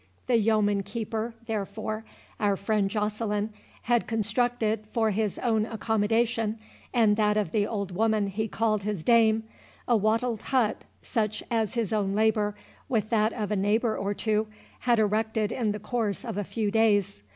The yeoman keeper, therefore, our friend Joceline, had constructed, for his own accommodation, and that of the old woman he called his dame, a wattled hut, such as his own labour, with that of a neighbour or two, had erected in the course of a few days.